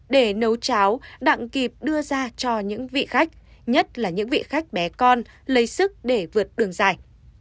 để nấu cháo đặng kịp đưa ra cho những vị khách nhất là những vị khách bé con lấy sức để vượt đường dài